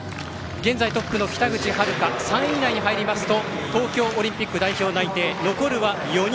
現在、トップの北口が３位以内に入ると東京オリンピック代表内定残るは４人。